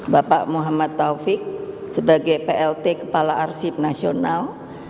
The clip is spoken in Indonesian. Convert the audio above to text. bapak muhammad taufik sebagai plt kepala arsip nasional